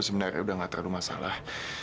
sebenarnya udah gak terlalu masalah